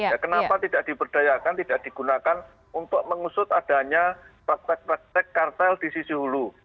ya kenapa tidak diberdayakan tidak digunakan untuk mengusut adanya praktek praktek kartel di sisi hulu